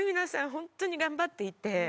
本当に頑張っていて。